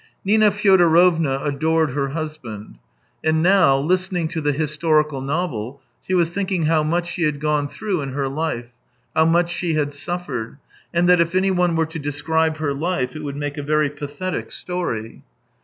Nina Fyodorovna adored her husband. And now, hstening to the historical novel, she was thinking how much she had gone through in her life, how much she had suffered, and that if anyone were to describe her life it would make a very pathetic story.